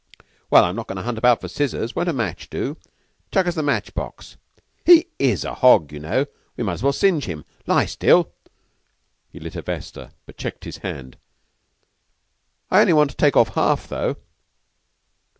"Well, I'm not goin' to hunt about for scissors. Won't a match do? Chuck us the match box. He is a hog, you know; we might as well singe him. Lie still!" He lit a vesta, but checked his hand. "I only want to take off half, though."